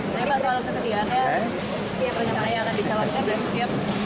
saya akan dicalankan dan siap